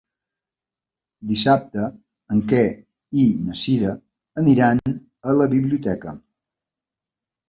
Dissabte en Quer i na Cira aniran a la biblioteca.